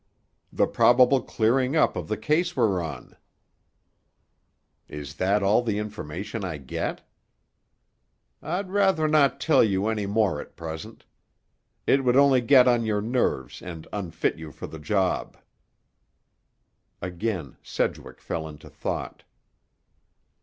"The probable clearing up of the case we're on." "Is that all the information I get?" "I'd rather not tell you any more at present. It would only get on your nerves and unfit you for the job." Again Sedgwick fell into thought.